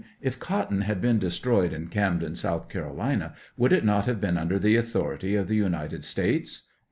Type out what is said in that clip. If cotton had been destroyed in Camden, South Carolina, would it not have been under the authority of the United States